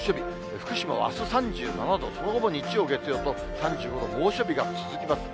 福島はあす３７度、その後も日曜、月曜と３５度の猛暑日が続きます。